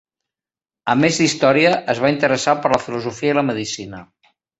A més d'història es va interessar per la filosofia i la medicina.